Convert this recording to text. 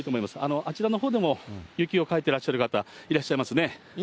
あちらのほうでも雪をかいてらっしゃる方、いらっしゃいますね。